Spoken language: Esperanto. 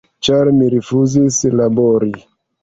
Ĉar mi rifuzis labori.